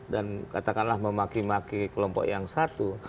dan katakanlah memaki maki kelompok yang satu